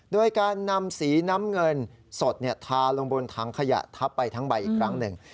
โดยการนำสีน้ำเงินสดทาลงบนถังขยะทับไปทั้งใบอีกครั้งหนึ่ง